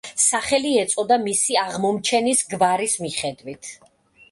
სახელი ეწოდა მისი აღმომჩენის გვარის მიხედვით.